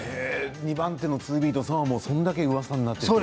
２番手のツービートさんはそれだけうわさになっていたと。